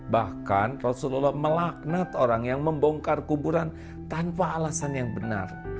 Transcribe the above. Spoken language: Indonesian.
bahkan rasulullah melaknat orang yang membongkar kuburan tanpa alasan yang benar